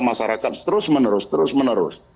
masyarakat terus menerus terus menerus